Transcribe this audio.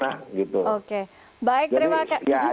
oke baik terima kasih